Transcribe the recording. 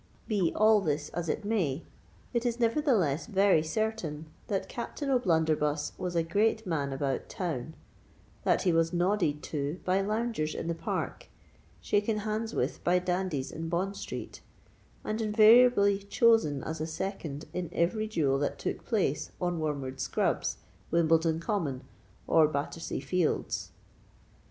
Be all this as it may, it is nevertheless very certain that Captain O'Blunderbuss was a great man about town—that he was nodded to by loungers in the Park—shaken hands with by dandies in Bond Street—and invariably chosen as a second in every duel that took place on Wormwood Scrubs, Wimbledon Common, or Battersea Fields.